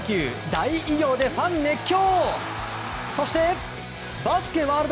大偉業でファン熱狂！